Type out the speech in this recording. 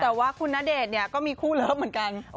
แต่ว่าคุณณเดชน์เนี่ยก็มีคู่เลิฟเหมือนกัน